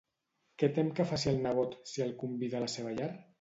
Què tem que faci el nebot si el convida a la seva llar?